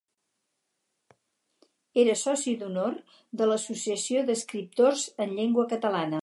Era soci d'honor de l'Associació d'Escriptors en Llengua Catalana.